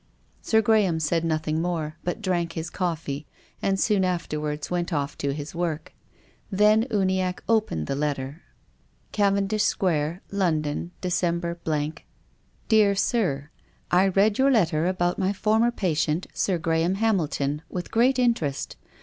Sir Graham said nothing more, but drank his coffee and soon afterwards went off to his work. Then Uniacke opened the letter. " Cavendish Square, " London, Dec. —" Dear Sir :" I read your letter about my former patient, Sir Graham Hamilton, with great interest.